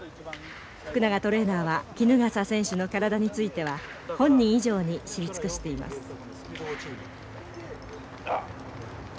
福永トレーナーは衣笠選手の体については本人以上に知り尽くしています。